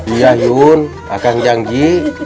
iya yun akan janji